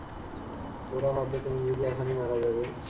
ওরা ভাববে তুমি বুঝি এখনই মারা যাবে।